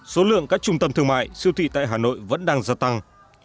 số lượng các trung tâm thương mại siêu thị tại hà nội vẫn đang gia tăng